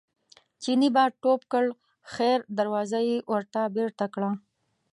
چیني به ټوپ کړ خیر دروازه یې ورته بېرته کړه.